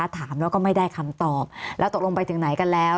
ถามแล้วก็ไม่ได้คำตอบแล้วตกลงไปถึงไหนกันแล้ว